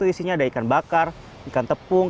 isinya ada ikan bakar ikan tepung